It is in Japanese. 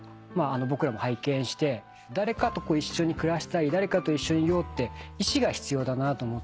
誰かと一緒に暮らしたり誰かと一緒にいようって意思が必要だなと思って。